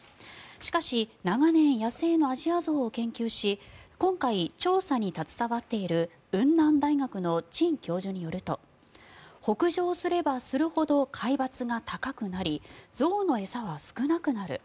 しかし、長年野生のアジアゾウを研究し今回、調査に携わっている雲南大学のチン教授によると北上すればするほど海抜が高くなり象の餌は少なくなる。